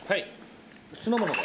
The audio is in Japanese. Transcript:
酢の物で。